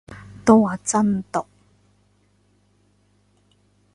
都話真毒